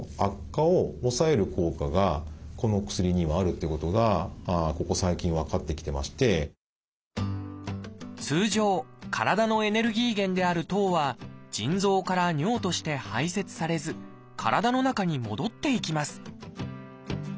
実はもう一つこれ理由があって通常体のエネルギー源である糖は腎臓から尿として排せつされず体の中に戻っていきます